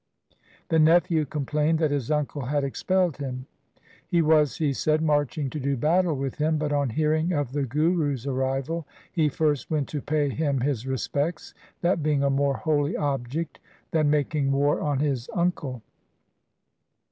The nephew complained that his uncle had expelled him. He was, he said, marching to do battle with him, but, on hearing of the Guru's arrival, he first went to pay him his respects, that being a more holy object than making war on his uncle.